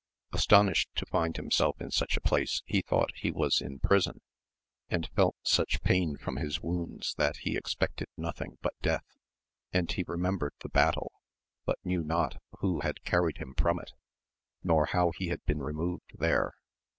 Astonished tofind him self in such a place, he thought he was in prison and felt such pain from his wounds that he expected nothing but death ; and he remembered the battle, but knew not who had carried him from it, nor how he had been removed there.